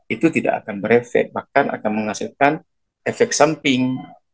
itu tidak akan berefek bahkan akan menghasilkan efek samping